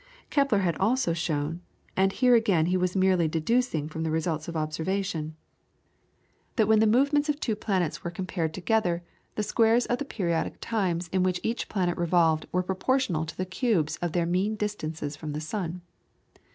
Kepler had also shown, and here again he was merely deducing the results from observation, that when the movements of two planets were compared together, the squares of the periodic times in which each planet revolved were proportional to the cubes of their mean distances from the sun.